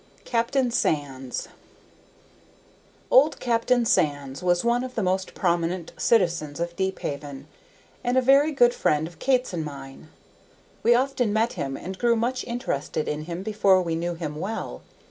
Captain Sands Old Captain Sands was one of the most prominent citizens of Deephaven, and a very good friend of Kate's and mine. We often met him, and grew much interested in him before we knew him well.